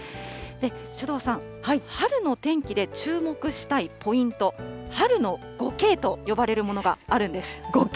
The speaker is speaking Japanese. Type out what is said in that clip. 首藤さん、春の天気で、注目したいポイント、春の５Ｋと呼ばれるものがあるんです。